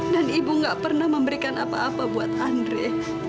dan ibu gak pernah memberikan apa apa buat andre